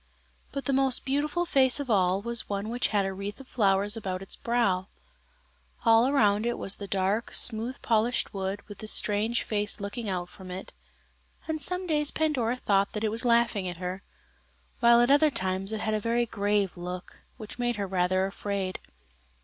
But the most beautiful face of all was one which had a wreath of flowers about its brow. All around it was the dark, smooth polished wood with this strange face looking out from it, and some days Pandora thought it was laughing at her, while at other times it had a very grave look which made her rather afraid.